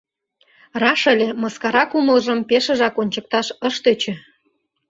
Раш ыле, мыскара кумылжым пешыжак ончыкташ ыш тӧчӧ.